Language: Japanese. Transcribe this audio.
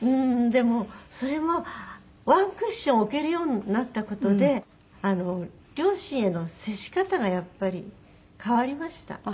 でもそれもワンクッション置けるようになった事で両親への接し方がやっぱり変わりました。